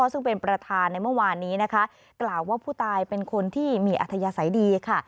ซึ่งเป็นประธานในเมื่อวานนี้นะคะกล่าวว่าผู้ตายเป็นคนที่มีอัธยาศัยดีค่ะ